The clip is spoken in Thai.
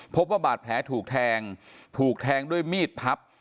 พบว่าบาดแผลถูกแทงถูกแทงด้วยมีดพับ